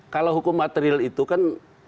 kalau hukum materil itu kan